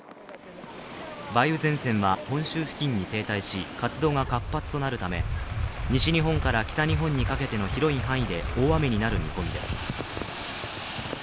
梅雨前線は本州付近に停滞し、活動が活発となるため、西日本から北日本にかけての広い範囲で大雨になる見込みです。